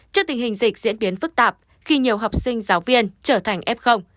trước tình hình dịch diễn biến phức tạp khi nhiều học sinh giáo viên trở thành f